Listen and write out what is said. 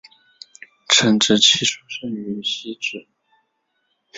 陈植棋出生于汐止